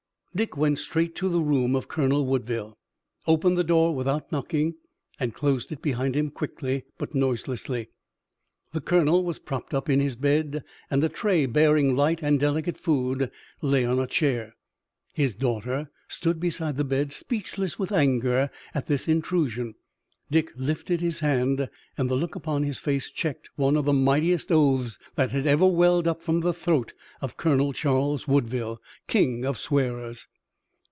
Dick went straight to the room of Colonel Woodville, opened the door without knocking, and closed it behind him quickly but noiselessly. The colonel was propped up in his bed and a tray bearing light and delicate food lay on a chair. His daughter stood beside the bed, speechless with anger at this intrusion. Dick lifted his hand, and the look upon his face checked one of the mightiest oaths that had ever welled up from the throat of Colonel Charles Woodville, king of swearers.